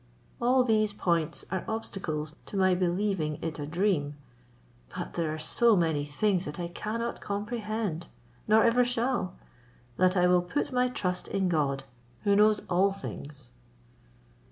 All these points are obstacles to my believing it a dream; but there are so many things that I cannot comprehend, nor ever shall, that I will put my trust in God, who knows all things."